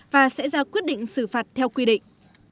và sẽ ra quyết định xử phạt theo quy định